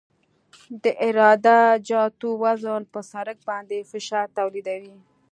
د عراده جاتو وزن په سرک باندې فشار تولیدوي